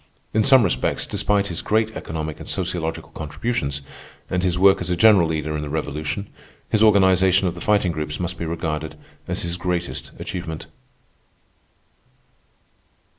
In some respects, despite his great economic and sociological contributions, and his work as a general leader in the Revolution, his organization of the Fighting Groups must be regarded as his greatest achievement.